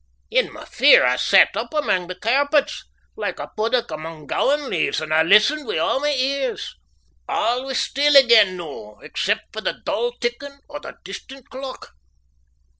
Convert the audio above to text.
In my fear I sat up amang my cairpets, like a puddock among gowan leaves, and I listened wi' a' my ears. A' was still again noo, except for the dull tickin' o' the distant clock.